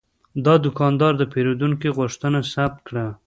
دا دوکاندار د پیرودونکي غوښتنه ثبت کړه.